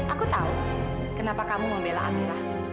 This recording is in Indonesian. aku tahu kenapa kamu membela amirah